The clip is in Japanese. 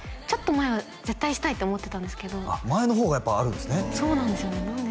ちょっと前は絶対したいって思ってたんですけど前の方がやっぱあるんですねそうなんですよね